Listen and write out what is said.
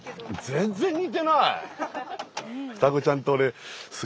全然似てない。